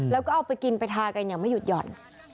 แล้วก็เอาไปกินไปทากันอย่างไม่หยุดหย่อน